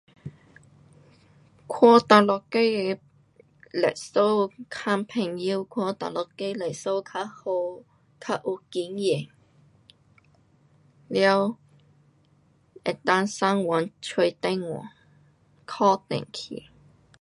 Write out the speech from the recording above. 看哪一个的律师，问朋友看哪一个律师较好，较有经验，了能够上网找电话打电去。